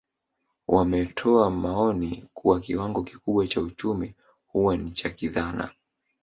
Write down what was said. Wametoa maoni kuwa kiwango kikubwa cha uchumi huwa ni cha kidhana